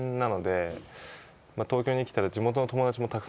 東京に来たら。